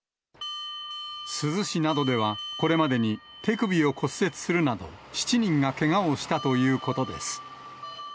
珠洲市などでは、これまでに手首を骨折するなど、７人がけがをしたということです。